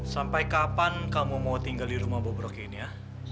sampai kapan kamu mau tinggal di rumah bobrokinia